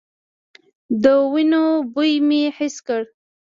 د وينو بوی مې حس کړ.